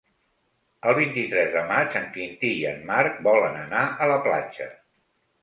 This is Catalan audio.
El vint-i-tres de maig en Quintí i en Marc volen anar a la platja.